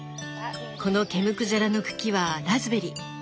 この毛むくじゃらの茎はラズベリー。